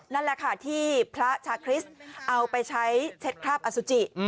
นั่นแหละค่ะที่พระชาคริสต์เอาไปใช้เช็ดคราบอสุจิ